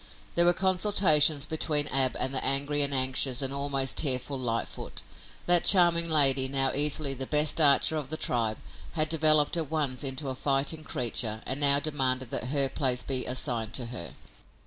There were consultations between Ab and the angry and anxious and almost tearful Lightfoot. That charming lady, now easily the best archer of the tribe, had developed at once into a fighting creature and now demanded that her place be assigned to her.